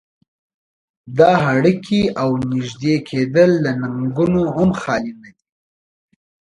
دا اړيکې او نږدې کېدل له ننګونو هم خالي نه دي.